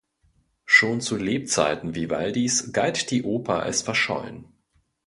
Schon zu Lebzeiten Vivaldis galt die Oper als verschollen.